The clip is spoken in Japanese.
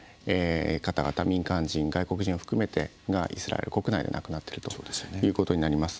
民間人外国人を含めてがイスラエル国内で亡くなっているということになります。